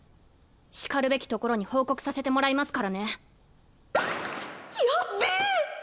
しかるべき所に報告させてもらいますからね。